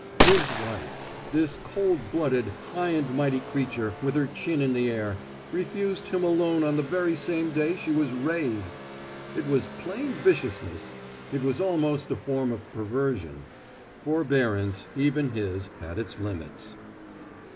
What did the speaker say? His wife this cold blooded, high and mighty creature, with her chin in the air, refused him a loan on the very same day she was raised. It was plain viciousness. It was almost a form of perversion. Forbearance, even his, had its limits.